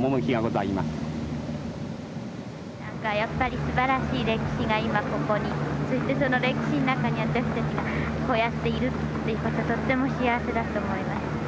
なんかやっぱりすばらしい歴史が今ここにそしてその歴史の中に私たちがこうやっているっていう事とっても幸せだと思います。